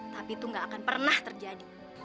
tapi itu gak akan pernah terjadi